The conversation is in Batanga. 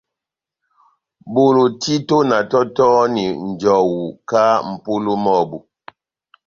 Bolo títo na tɔtɔhɔni njɔwu kahá mʼpolo mɔ́bu.